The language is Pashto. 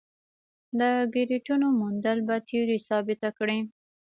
د ګرویټونو موندل به تیوري ثابته کړي.